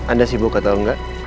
anda sibuk atau enggak